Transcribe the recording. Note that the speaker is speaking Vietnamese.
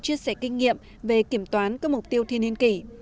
chia sẻ kinh nghiệm về kiểm toán các mục tiêu thiên niên kỷ